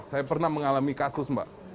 saya pernah mengalami kasus mbak